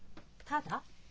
ただ？